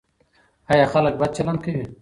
ایا خلک بد چلند کوي؟